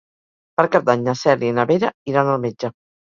Per Cap d'Any na Cèlia i na Vera iran al metge.